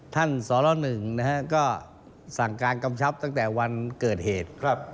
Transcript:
ท่านสรรวรรค์๑ก็สั่งการกำชับตั้งแต่วันเกิดเหตุ